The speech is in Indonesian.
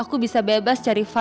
udah selesai ya